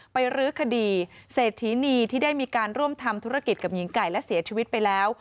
รื้อคดีเศรษฐีนีที่ได้มีการร่วมทำธุรกิจกับหญิงไก่และเสียชีวิตไปแล้ว